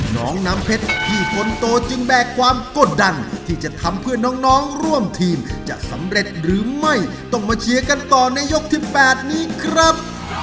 น้องน้ำเพชรพี่คนโตจึงแบกความกดดันที่จะทำเพื่อน้องร่วมทีมจะสำเร็จหรือไม่ต้องมาเชียร์กันต่อในยกที่๘นี้ครับ